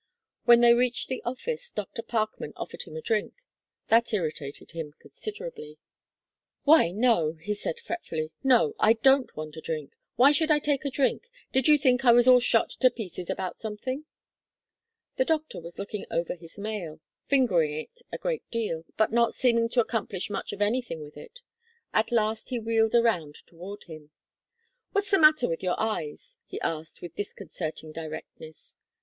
When they reached the office, Dr. Parkman offered him a drink; that irritated him considerably. "Why no," he said, fretfully, "No I don't want a drink. Why should I take a drink? Did you think I was all shot to pieces about something?" The doctor was looking over his mail, fingering it a great deal, but not seeming to accomplish much of anything with it. At last he wheeled around toward him. "What's the matter with your eyes?" he asked with disconcerting directness.